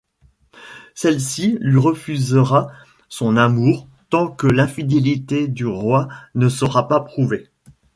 Celle-ci lui refusera son amour tant que l'infidélité du roi ne sera pas prouvée.